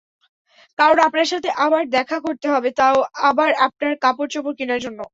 কারন আপনার সাথে আমার দেখা করতে হবে তাও আবার আপনার কাপড় চোপড় কিনার জন্য।